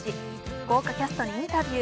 豪華キャストにインタビュー。